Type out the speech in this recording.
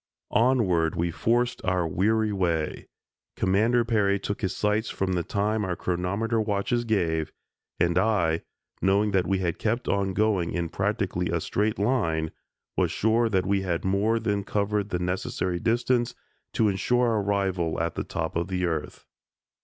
Onward we forced our weary way. Commander Peary took his sights from the time our chronometer watches gave, and I, knowing that we had kept on going in practically a straight line, was sure that we had more than covered the necessary distance to insure our arrival at the top of the earth.